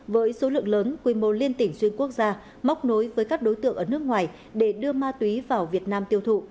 với số lượng lớn quy mô liên tỉnh xuyên quốc gia móc nối với các đối tượng ở nước ngoài để đưa ma túy vào việt nam tiêu thụ